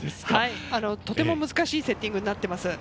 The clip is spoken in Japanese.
とても難しいセッティングになっています。